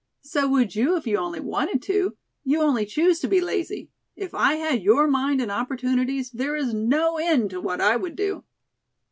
"So would you if you only wanted to. You only choose to be lazy. If I had your mind and opportunities there is no end to what I would do."